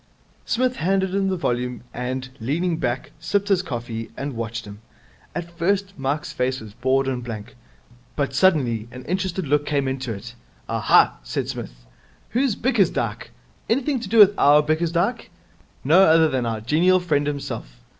Psmith handed him the volume, and, leaning back, sipped his coffee, and watched him. At first Mike's face was bored and blank, but suddenly an interested look came into it. 'Aha!' said Psmith. 'Who's Bickersdyke? Anything to do with our Bickersdyke?' 'No other than our genial friend himself.'